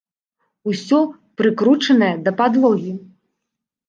Усё прыкручанае да падлогі.